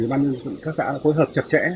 ủy ban các xã phối hợp chặt chẽ